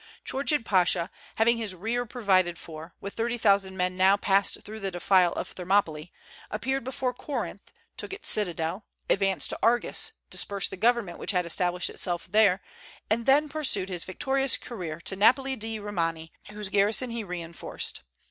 Chourchid Pasha, having his rear provided for, with thirty thousand men now passed through the defile of Thermopylae, appeared before Corinth, took its citadel, advanced to Argos, dispersed the government which had established itself there, and then pursued his victorious career to Napoli di Romania, whose garrison he reinforced.